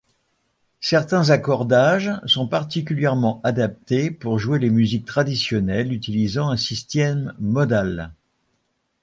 Certains accordages sont particulièrement adaptés pour jouer les musiques traditionnelles utilisant un système modal.